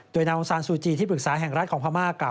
โดยนางองซานซูจีที่ปรึกษาแห่งรัฐของพม่ากล่า